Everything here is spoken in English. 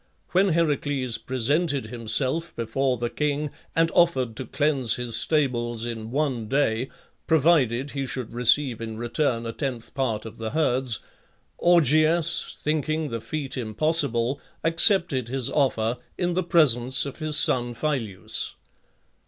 When Heracles presented himself before the king, and offered to cleanse his stables in one day, provided he should receive in return a tenth part of the herds, Augeas, thinking the feat impossible, accepted his offer in the presence of his son Phyleus.